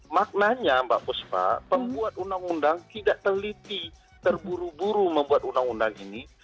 maknanya mbak puspa pembuat undang undang tidak teliti terburu buru membuat undang undang ini